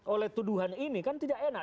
oleh tuduhan ini kan tidak enak